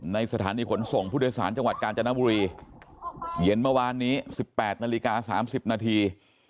ในสถานีขนส่งพุทธศาลจังหวัดกาญจนบุรีเย็นเมื่อวานนี้๑๘๓๐นาที